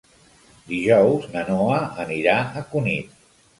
Dijous na Noa anirà a Cunit.